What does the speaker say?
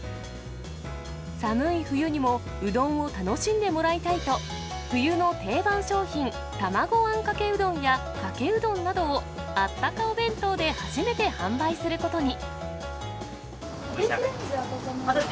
寒い冬にも、うどんを楽しんでもらいたいと、冬の定番商品、玉子あんかけうどんや、かけうどんなどをあったかお弁当で初めて販売することに。